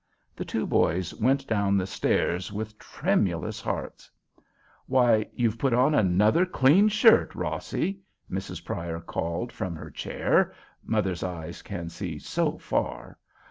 The two boys went down the stairs with tremulous hearts. "Why, you've put on another clean shirt, Rossie!" Mrs. Pryor called from her chair—mothers' eyes can see so far!